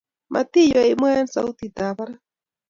matiywei imwaa eng sautitab barak